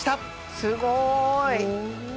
すごいお！